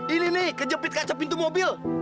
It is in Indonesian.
ini nih kejepit kaca pintu mobil